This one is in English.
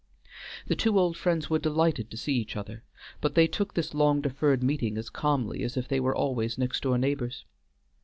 The two old friends were delighted to see each other, but they took this long deferred meeting as calmly as if they were always next door neighbors.